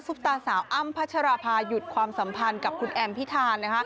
ตาสาวอ้ำพัชราภาหยุดความสัมพันธ์กับคุณแอมพิธาน